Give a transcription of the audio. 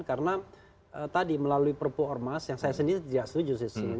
karena tadi melalui perpu ormas yang saya sendiri tidak setuju sih